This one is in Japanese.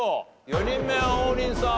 ４人目王林さん